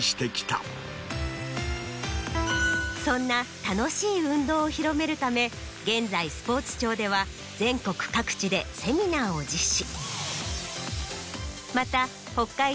そんな「楽しい運動」を広めるため現在スポーツ庁では全国各地でセミナーを実施。